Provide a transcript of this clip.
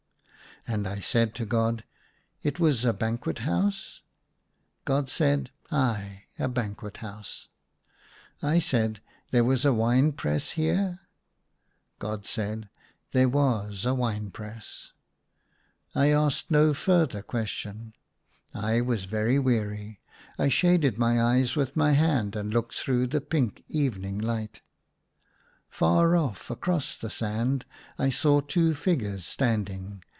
And I said to God, " It was a banquet house ?" God said, " Ay, a banquet house." I said, "There was a wine press here?" God said, " There was a wine press." I asked no further question. I was 156 THE SUNLIGHT LA Y very weary ; I shaded my eyes with my hand, and looked through the pink evenino;^ li^ht. Far off, across the sand, I saw two figures standing.